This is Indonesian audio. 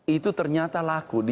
itu ternyata laku